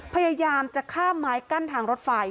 พยายามจะข้ามไม้กั้นทางรถไฟ